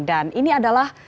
dan ini adalah